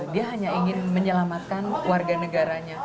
dia hanya ingin menyelamatkan warga negaranya